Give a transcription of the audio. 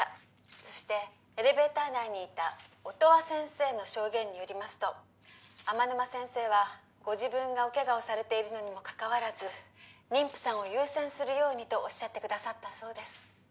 そしてエレベーター内にいた音羽先生の証言によりますと天沼先生はご自分がおケガをされているのにもかかわらず妊婦さんを優先するようにとおっしゃってくださったそうです